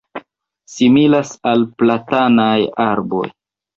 similas al platanaj arboj